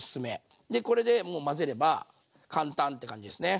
でこれでもう混ぜれば簡単って感じですね。